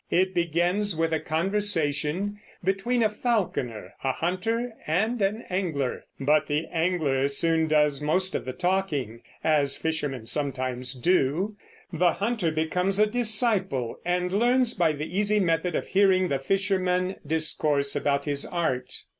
It begins with a conversation between a falconer, a hunter, and an angler; but the angler soon does most of the talking, as fishermen sometimes do; the hunter becomes a disciple, and learns by the easy method of hearing the fisherman discourse about his art.